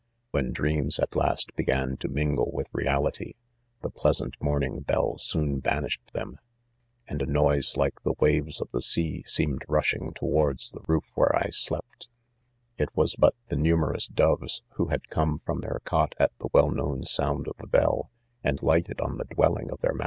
'.i.When dreams at last began to mingle with reality, the plea#ant morning. hell soon banish ed thorn.; and a noise like the waves of the sea ■seemed rushing towards the roof where I slept* It was but the numerous do yes, Who had come from their cote at the wpll known sound of .the bell, and lighted on the dwelling of their